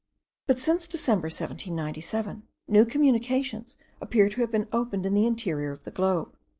But since December 1797, new communications appear to have been opened in the interior of the globe.